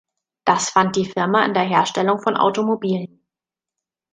Das fand die Firma in der Herstellung von Automobilen.